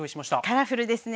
カラフルですね。